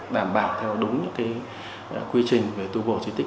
đảm bảo theo đúng những quy trình về tu bổ di tích